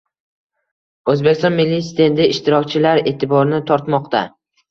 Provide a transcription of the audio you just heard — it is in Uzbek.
O‘zbekiston milliy stendi ishtirokchilar e’tiborini tortmoqda